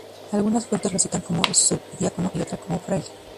Algunas fuentes lo citan como subdiácono y otras como fraile.